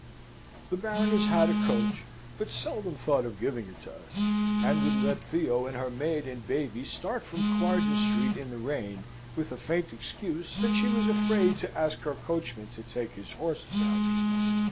The Baroness had a coach, but seldom thought of giving it to us: and would let Theo and her maid and baby start from Clarges Street in the rain, with a faint excuse that she was afraid to ask her coachman to take his horses out.